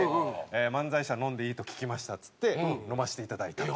「漫才師は飲んでいいと聞きました」っつって飲ませていただいたと。